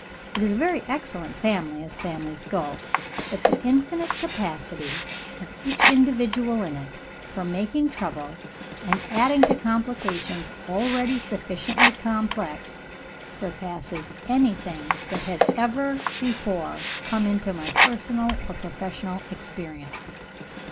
It is a very excellent family as families go, but the infinite capacity of each individual in it for making trouble, and adding to complications already sufficiently complex, surpasses anything that has ever before come into my personal or professional experience.